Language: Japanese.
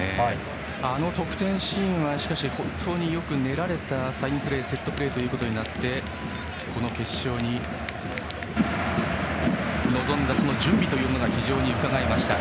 あの得点シーンは本当によく練られたサインプレーセットプレーとなってこの決勝に臨んだ準備というものが非常にうかがえました。